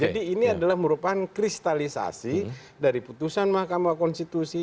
jadi ini adalah merupakan kristalisasi dari putusan mahkamah konstitusi